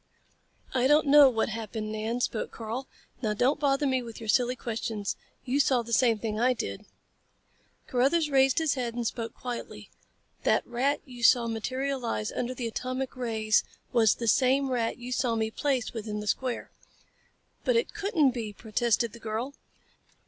"I don't know what happened, Nan," spoke Karl. "Now don't bother me with your silly questions. You saw the same thing I did." Carruthers raised his head and spoke quietly. "That rat you saw materialize under the atomic rays was the same rat you saw me place within the square." "But it couldn't be," protested the girl.